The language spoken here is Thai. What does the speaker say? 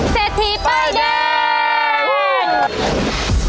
เศรษฐีป้ายแดง